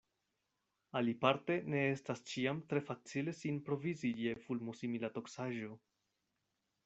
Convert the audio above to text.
Aliparte ne estas ĉiam tre facile sin provizi je fulmosimila toksaĵo.